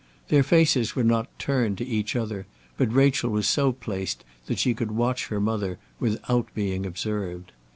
Their faces were not turned to each other, but Rachel was so placed that she could watch her mother without being observed.